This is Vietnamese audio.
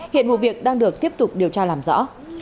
hiện vụ việc đang được tiếp tục điều tra làm rõ